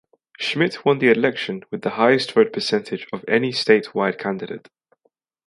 Schmidt won the election with the highest vote percentage of any statewide candidate.